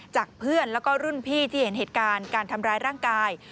จากเพื่อนแล้วก็รุ่นพี่ที่เห็นเหตุการณ์การทำร้ายร่างกาย